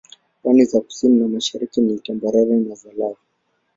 Pwani za kusini na mashariki ni tambarare za lava.